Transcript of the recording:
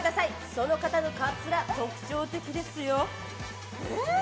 その方のカツラ特徴的ですよ。